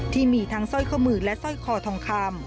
ที่มีทั้งสร้อยข้อมือและสร้อยคอทองคำ